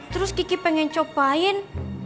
terus gigi pengen cobain